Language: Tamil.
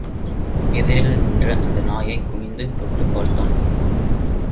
எதிரில் நின்ற அந்த நாயைக் குனிந்து தொட்டு பார்த்தான்.